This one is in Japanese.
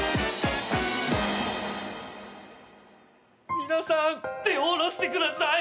皆さん手を下ろしてください。